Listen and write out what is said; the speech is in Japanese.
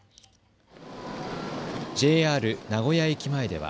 ＪＲ名古屋駅前では。